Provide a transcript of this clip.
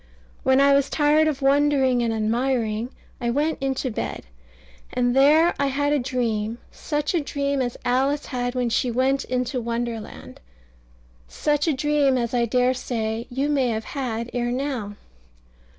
When I was tired of wondering and admiring, I went into bed; and there I had a dream such a dream as Alice had when she went into Wonderland such a dream as I dare say you may have had ere now.